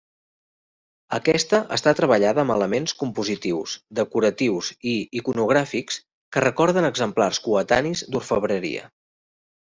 Aquesta està treballada amb elements compositius, decoratius i iconogràfics que recorden exemplars coetanis d'orfebreria.